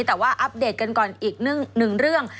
แต่ว่าอัปเดตกันก่อนอีกหนึ่งเรื่อง